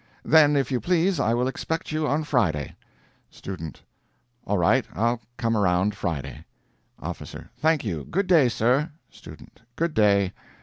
"Then, if you please, I will expect you on Friday." STUDENT. "All right, I'll come around Friday." OFFICER. "Thank you. Good day, sir." STUDENT. "Good day."